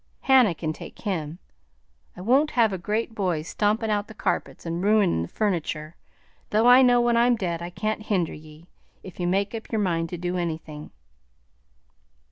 Hannah can take him; I won't have a great boy stompin' out the carpets and ruinin' the furniture, though I know when I'm dead I can't hinder ye, if you make up your mind to do anything."